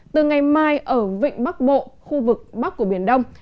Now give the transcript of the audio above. từ ngày mai ở vịnh bắc bộ khu vực bắc của biển đông